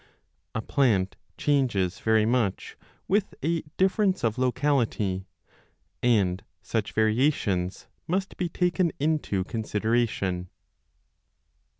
A plant changes very much with a difference of locality, 10 and such variations must be taken into consideration.